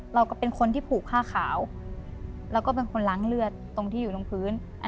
เราก็เป็นคนที่ผูกผ้าขาวแล้วก็เป็นคนล้างเลือดตรงที่อยู่ตรงพื้น